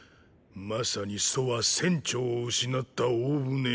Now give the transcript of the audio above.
正に楚は船長を失った大船。